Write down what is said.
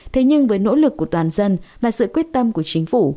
thế nhưng với nỗ lực của toàn dân và sự quyết tâm của chính phủ